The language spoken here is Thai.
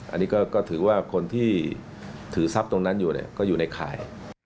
อันนี้ก็ถือว่าคนที่ถือทรัพย์ตรงนั้นอยู่ก็อยู่ในข่าย